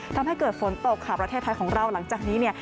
ทำให้เกิดฝนตกค่ะประเทศไทยของเราหลังจากนี้เนี่ย